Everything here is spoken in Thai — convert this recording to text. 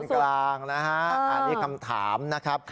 อักษรกลางนะฮะนี่คำถามนะครับ